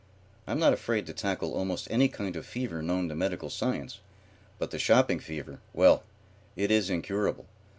"I'm not afraid to tackle almost any kind of fever known to medical science, but the shopping fever well, it is incurable.